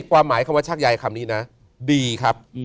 ความหมายคำว่าชักใยคำนี้นะดีครับ